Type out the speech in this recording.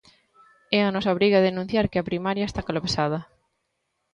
É a nosa obriga denunciar que a primaria está colapsada.